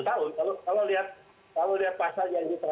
kalau lihat pasal yang diterapkan